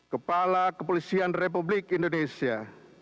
kepala kepolisian republik indonesia